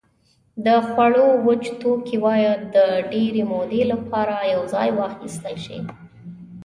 د خوړو وچ توکي باید د ډېرې مودې لپاره یوځای واخیستل شي.